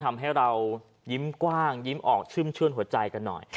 ทำให้เรายิ้มกว้างยิ้มออกชุ่มชื่นหัวใจกันหน่อย